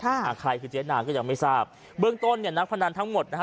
อ่าใครคือเจ๊นางก็ยังไม่ทราบเบื้องต้นเนี่ยนักพนันทั้งหมดนะฮะ